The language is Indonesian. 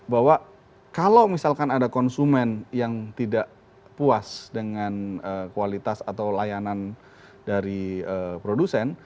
bahwa kalau misalkan ada konsumen yang tidak puas dengan kualitas atau layanan dari produsen